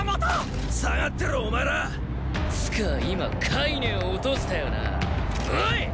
つか今カイネを落としたよなオイ！！